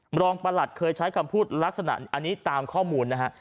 รองประหลัดเคยใช้คำพูดลักษณะอันนี้ตามข้อมูลนะฮะ